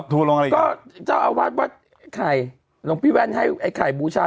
ทัวรงอะไรกันก็เจ้าอาวาสวัดใครลองพี่แว่นให้ไข่บูชา